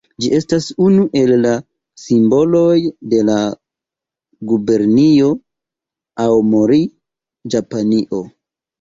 Ĝi estas unu el la simboloj de la Gubernio Aomori, Japanio.